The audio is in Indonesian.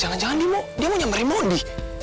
jangan jangan dia mau nyamperin mondi